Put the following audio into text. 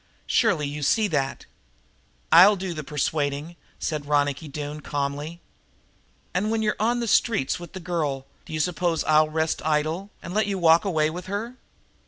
Surely you see that!" "I'll do that persuading," said Ronicky Doone calmly. "And, when you're on the streets with the girl, do you suppose I'll rest idle and let you walk away with her?"